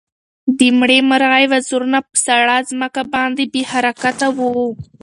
د مړې مرغۍ وزرونه په سړه ځمکه باندې بې حرکته وو.